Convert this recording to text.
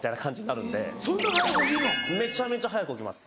めちゃめちゃ早く起きます。